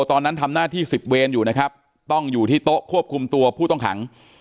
ตอนนั้นทำหน้าที่สิบเวรอยู่นะครับต้องอยู่ที่โต๊ะควบคุมตัวผู้ต้องขัง